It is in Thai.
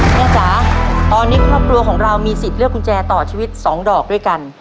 จ๋าตอนนี้ครอบครัวของเรามีสิทธิ์เลือกกุญแจต่อชีวิต๒ดอกด้วยกัน